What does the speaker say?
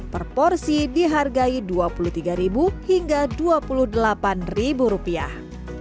per porsi dihargai dua puluh tiga hingga dua puluh delapan rupiah